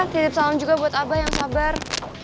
titip salam juga buat aba yang sabar